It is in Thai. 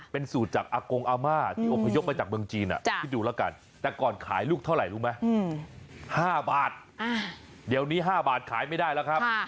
เป็นสูตรจากอากงอาม่าที่อบพยพมาจากเมืองจีนคิดดูแล้วกันแต่ก่อนขายลูกเท่าไหร่รู้ไหม๕บาทเดี๋ยวนี้๕บาทขายไม่ได้แล้วครับ